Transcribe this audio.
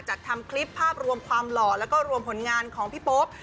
ทำคลิปภาพรวมความหล่อแล้วก็รวมผลงานของพี่โป๊ป